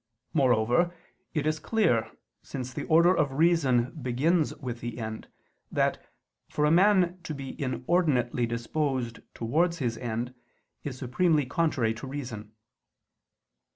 Moreover, it is clear, since the order of reason begins with the end, that, for a man to be inordinately disposed towards his end, is supremely contrary to reason.